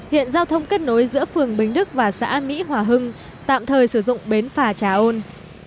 hiện giao thông kết nối giữa phường bình đức và xã mỹ hòa hưng tạm thời sử dụng bến phà trà ôn